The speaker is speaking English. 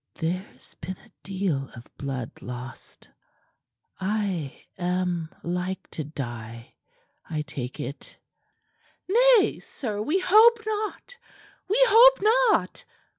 "There's been a deal of blood lost. I am like to die, I take it." "Nay, sir, we hope not we hope not!"